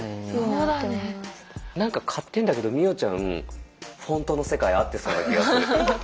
何か勝手にだけど美音ちゃんフォントの世界合ってそうな気がする。